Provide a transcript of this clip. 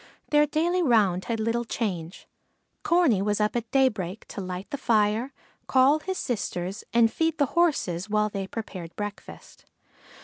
Their daily round had little change. Corney was up at daybreak to light the fire, call his sisters, and feed the horses while they prepared breakfast.